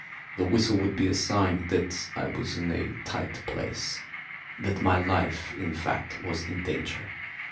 The whistle would be a sign that I was in a tight place that my life, in fact, was in danger.